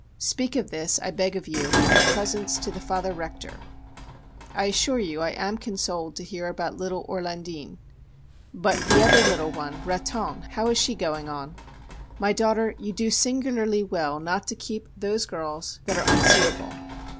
Speak of this, I beg of you, in her presence to the Father Rector. I assure you I am consoled to hear about little Orlandin. But the other little one, Raton, how is she going on? My daughter, you do singularly well not to keep those girls that are unsuitable.